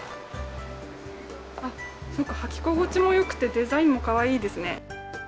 すごく履き心地もよくて、デザインもかわいいですね。